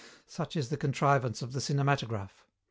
Such is the contrivance of the cinematograph.